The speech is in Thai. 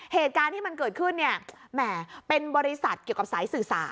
เหตุการณ์ที่มันเกิดขึ้นเนี่ยแหมเป็นบริษัทเกี่ยวกับสายสื่อสาร